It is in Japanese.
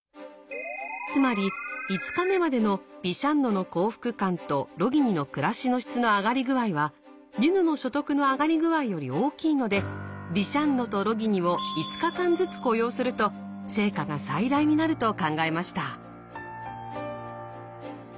つまり５日目までのビシャンノの幸福感とロギニの暮らしの質の上がり具合はディヌの所得の上がり具合より大きいのでビシャンノとロギニを５日間ずつ雇用すると成果が最大になると考えました。